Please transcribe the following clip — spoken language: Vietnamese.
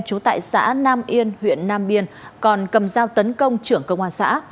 trú tại xã nam yên huyện nam biên còn cầm dao tấn công trưởng công an xã